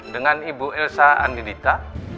dengan ibu elsa andi lita